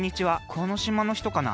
この島のひとかな？